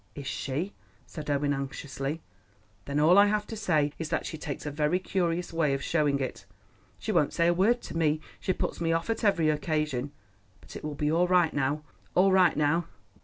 "Is she?" said Owen anxiously. "Then all I have to say is that she takes a very curious way of showing it. She won't say a word to me; she puts me off on every occasion. But it will be all right now—all right now."